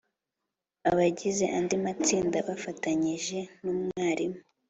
Abagize andi matsinda bafatanyije n’umwarimu